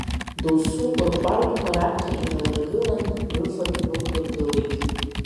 Доусы рҟәардәқәа раԥхьа иналыргылан, рыфатә нықәлыргылеит.